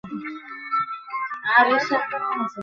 তিনি আহত হওয়ার পরেও সরিয়ে নিতে অস্বীকার করেন।